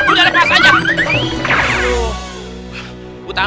kenapa nggak dilepas deh